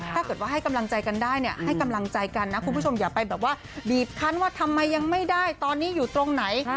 ถ้าเกิดว่าให้กำลังใจกันได้เนี่ยให้กำลังใจกันนะคุณผู้ชมอย่าไปแบบว่าบีบคันว่าทำไมยังไม่ได้ตอนนี้อยู่ตรงไหน